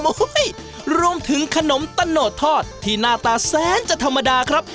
โอ้โหรวมถึงขนมตะโนดทอดที่หน้าตาแสนจะธรรมดาครับ